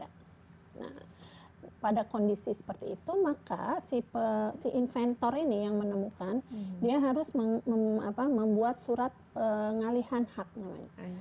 nah pada kondisi seperti itu maka si inventor ini yang menemukan dia harus membuat surat pengalihan hak namanya